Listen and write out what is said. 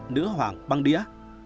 nữ hoàng băng đĩa